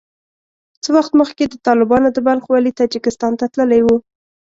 څه وخت مخکې د طالبانو د بلخ والي تاجکستان ته تللی وو